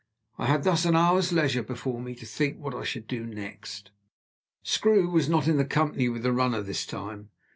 I had thus an hour's leisure before me to think what I should do next. Screw was not in company with the runner this time.